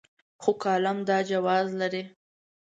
خو کالم دا جواز لري.